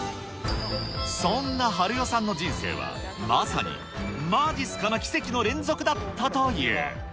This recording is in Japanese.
そんな晴代さんの人生は、まさにまじっすかな奇跡の連続だったという。